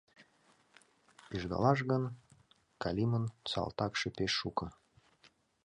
Пижедылаш гын, Калимын салтакше пеш шуко.